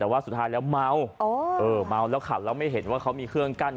แต่ว่าสุดท้ายแล้วเมาเมาแล้วขับแล้วไม่เห็นว่าเขามีเครื่องกั้น